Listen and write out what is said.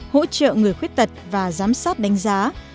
hỗ trợ người khuyết tật và giám sát đánh giá